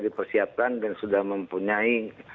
dipersiapkan dan sudah mempunyai